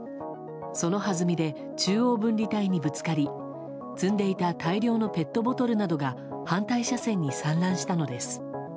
そのはずみで中央分離帯にぶつかり積んでいた大量のペットボトルなどが反対車線に散乱したのです。